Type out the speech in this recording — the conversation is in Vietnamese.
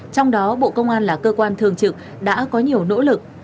trong đó bộ công an là cơ quan thường trực đã có nhiều nỗ lực